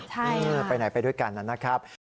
ใช่ไปไหนไปด้วยกันนะครับ